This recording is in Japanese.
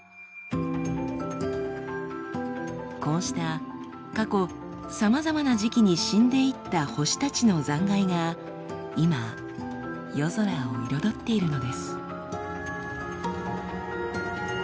こうした過去さまざまな時期に死んでいった星たちの残骸が今夜空を彩っているのです。